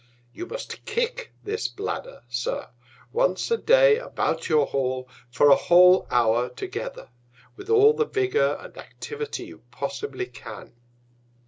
You must kick this Bladder, Sir, once a Day about your Hall for a whole Hour together, with all the Vigour and Activity you possibly can.